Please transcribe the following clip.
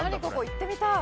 行ってみたい。